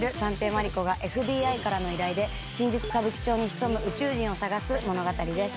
マリコがＦＢＩからの依頼で新宿歌舞伎町に潜む宇宙人を捜す物語です。